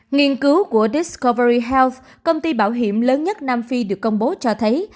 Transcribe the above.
nghiên cứu của discovery health công ty bảo hiểm lớn nhất nam phi được công bố cho thấy